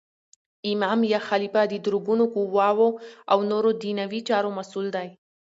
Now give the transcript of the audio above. امام یا خلیفه د درو ګونو قوواو او نور دنیوي چارو مسول دی.